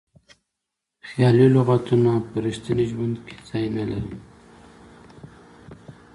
خیالي لغتونه په ریښتیني ژوند کې ځای نه لري.